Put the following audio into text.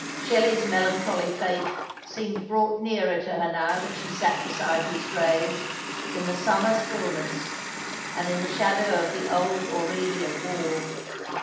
Shelley's melancholy fate seemed brought nearer to her now that she sat beside his grave, in the summer stillness, and in the shadow of the old Aurelian Wall.